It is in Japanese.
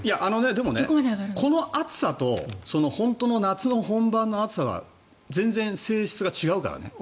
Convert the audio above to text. でも、この暑さと本当の夏本番の暑さって全然、性質が違うからね。